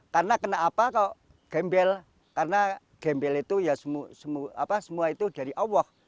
karena kenapa kok gembel karena gembel itu ya semua itu dari allah